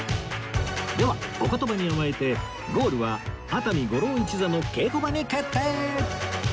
ではお言葉に甘えてゴールは熱海五郎一座の稽古場に決定！